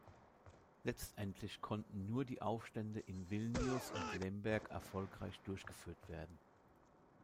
Letztendlich konnten nur die Aufstände in Vilnius und Lemberg erfolgreich durchgeführt werden.